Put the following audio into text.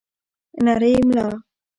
نرۍ ملا